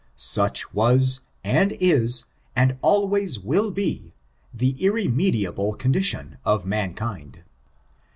Such was, and is, and always will be, the irremediable condition of mankind.